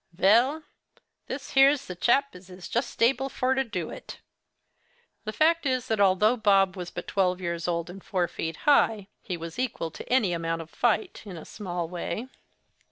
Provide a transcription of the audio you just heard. Vell! this here's the chap as is just able for to do it.' The fact is that although Bob was but twelve years old and four feet high, he was equal to any amount of fight, in a small way.